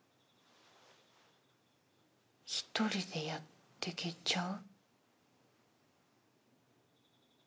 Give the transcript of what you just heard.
１人でやってけちゃう？